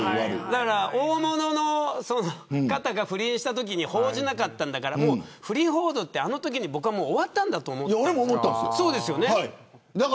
大物の方が不倫したときに報じなかったんだから不倫報道って、あのときに終わったと思っていたんです。